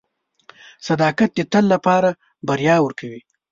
• صداقت د تل لپاره بریا ورکوي.